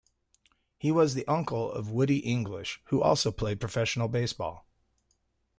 He was the uncle of Woody English, who also played professional baseball.